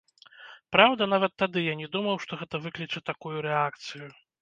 Праўда, нават тады я не думаў, што гэта выкліча такую рэакцыю.